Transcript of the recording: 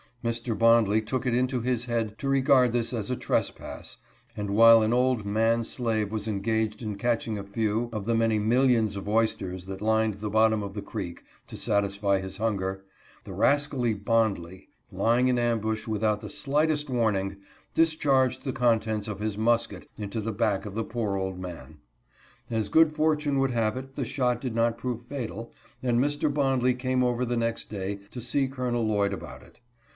Mr. Bondley took it into his head to re gard this as a trespass, and while an old man slave was engaged in catching a few of the many millions of oys ters that lined the bottom of the creek, to satisfy his hun ger, the rascally Bondley, lying in ambush, without the slightest warning, discharged the contents of his musket into the back of the poor old man. As good fortune would have it, the shot did not prove fatal, and Mr. Bondley came over the next day to see Col. Lloyd about it.